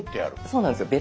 そうなんですよ。